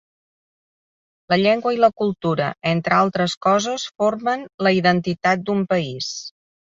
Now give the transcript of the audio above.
La llengua i la cultura, entre altres coses, formen la identitat d'un país.